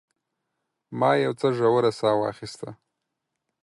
ما یو څه ژوره ساه واخیسته.